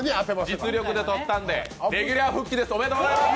実力でとったんで、レギュラー復帰です、おめでとうございます。